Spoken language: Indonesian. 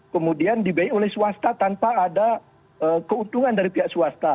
kemudian dibiayai oleh swasta tanpa ada keuntungan dari pihak swasta